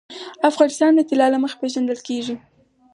افغانستان د طلا له مخې پېژندل کېږي.